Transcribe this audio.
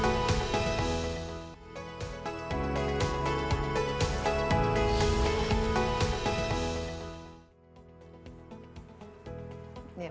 terima kasih banyak